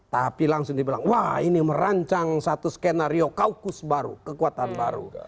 tapi langsung dibilang wah ini merancang satu skenario kaukus baru kekuatan baru